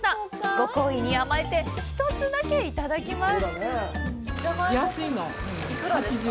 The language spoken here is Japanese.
ご厚意に甘えて、１つだけいただきます。